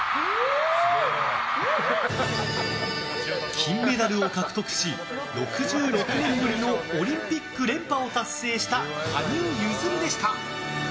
金メダルを獲得し、６６年ぶりのオリンピック連覇を達成した羽生結弦でした。